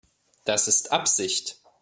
Das ist Absicht.